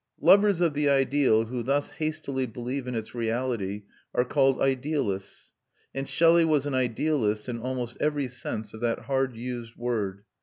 Lovers of the ideal who thus hastily believe in its reality are called idealists, and Shelley was an idealist in almost every sense of that hard used word.